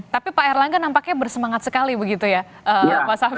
tapi pak erlangga nampaknya bersemangat sekali begitu ya pak sahri